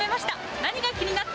何が気になった？